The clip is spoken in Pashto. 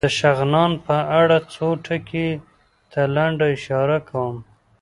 د شغنان په اړه څو ټکو ته لنډه اشاره کوم.